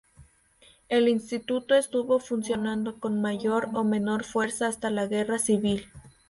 El Instituto estuvo funcionando, con mayor o menor fuerza, hasta la Guerra Civil.